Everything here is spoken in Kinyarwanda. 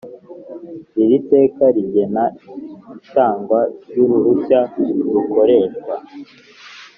Iri teka rigena itangwa ry uruhushya rukoreshwa